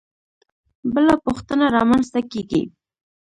بله پوښتنه رامنځته کېږي.